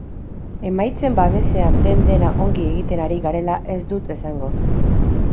Emaitzen babesean den-dena ongi egiten ari garela ez dut esango.